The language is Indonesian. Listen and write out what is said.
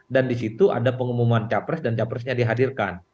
dan di situ ada pengumuman capres dan capresnya dihadirkan